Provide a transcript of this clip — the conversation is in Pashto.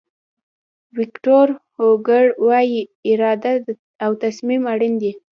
ویکتور هوګو وایي اراده او تصمیم اړین دي.